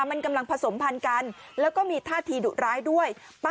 มันกำลังผสมพันธ์กันแล้วก็มีท่าทีดุร้ายด้วย